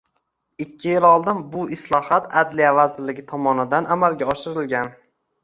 ikki yil oldin bu islohot Adliya vazirligi tomonidan amalga oshirilgan